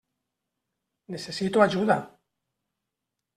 Necessito ajuda.